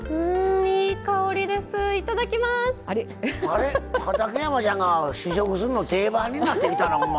畠山ちゃんが試食するの定番になってきたな、ほんま。